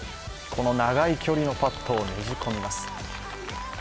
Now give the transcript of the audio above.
この長い距離のパットをねじ込みます。